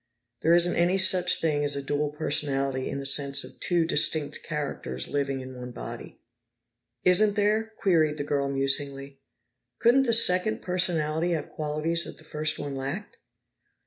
There isn't any such thing as a dual personality in the sense of two distinct characters living in one body." "Isn't there?" queried the girl musingly. "Could the second personality have qualities that the first one lacked?"